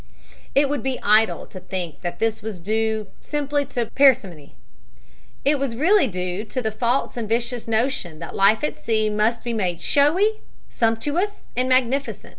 It would be idle to think that this was due simply to parsimony. It was really due to the false and vicious notion that life at sea must be made showy, sumptuous and magnificent.